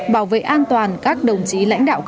bảo vệ an toàn các đồng chí lãnh đạo